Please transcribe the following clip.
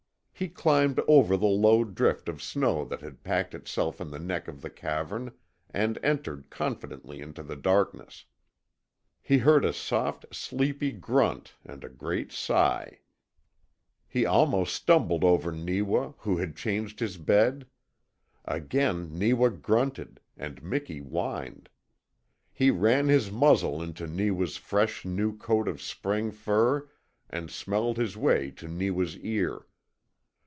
He climbed over the low drift of snow that had packed itself in the neck of the cavern and entered confidently into the darkness. He heard a soft, sleepy grunt and a great sigh. He almost stumbled over Neewa, who had changed his bed. Again Neewa grunted, and Miki whined. He ran his muzzle into Neewa's fresh, new coat of spring fur and smelled his way to Neewa's ear.